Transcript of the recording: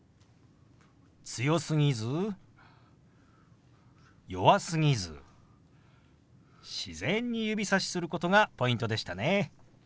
強すぎず弱すぎず自然に指さしすることがポイントでしたね。